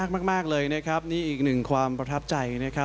โปรดติดตามตอนต่อไป